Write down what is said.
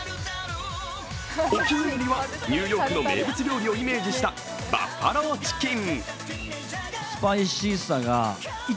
お気に入りはニューヨークの名物料理をイメージしたバッファローチキン。